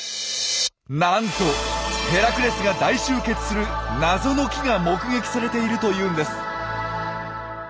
なんとヘラクレスが大集結する謎の木が目撃されているというんです。